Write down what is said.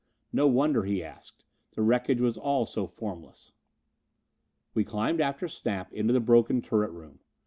No wonder he asked! The wreckage was all so formless. We climbed after Snap into the broken turret room.